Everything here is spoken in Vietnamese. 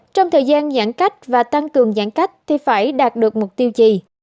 trong thời gian giãn cách và tăng cường giãn cách thì phải đạt được mục tiêu gì